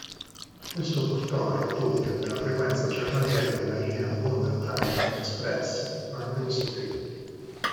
Questo portò al raddoppio della frequenza giornaliera della linea Londra-Brighton express durante questo periodo.